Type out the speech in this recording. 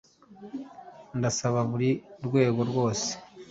ndasaba buri rwego rwose